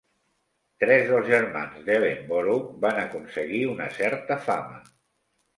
Tres dels germans d'Ellenborough van aconseguir una certa fama.